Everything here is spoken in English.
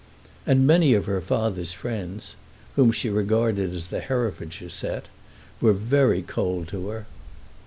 And many of her father's friends, whom she regarded as the Herefordshire set, were very cold to her.